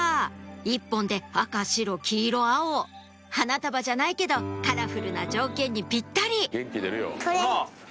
１本で赤白黄色青花束じゃないけどカラフルな条件にぴったり！